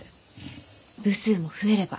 部数も増えれば。